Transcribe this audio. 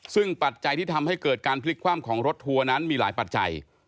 ซึ่งปัจจัยที่ทำให้เกิดการพลิกคว่ำของรถทัวร์นั้นมีหลายปัจจัย